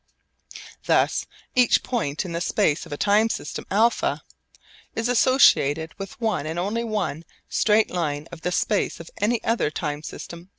Thus each point in the space of a time system α is associated with one and only one straight line of the space of any other time system β.